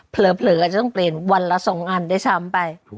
เผลออาจจะต้องเปลี่ยนวันละ๒อันด้วยซ้ำไป